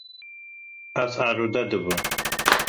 Ez arode dibim.